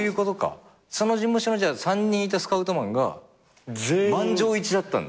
その事務所の３人いたスカウトマンが満場一致だったんだ。